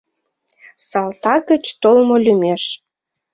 Салтак гыч толмо лӱмеш.